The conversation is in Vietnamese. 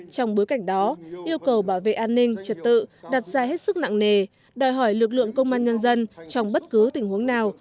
trong bối cảnh đó yêu cầu bảo vệ an ninh trật tự đặt ra hết sức nặng nề đòi hỏi lực lượng công an nhân dân trong bất cứ tình huống nào